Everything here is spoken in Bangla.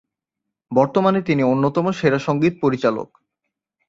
বর্তমানে তিনি অন্যতম সেরা সংগীত পরিচালক।